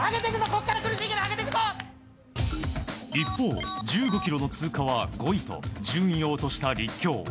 一方、１５ｋｍの通過は５位と順位を落とした立教。